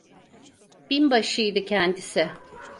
Binbaşıydı kendisi…